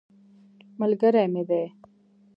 ملګری مې دی.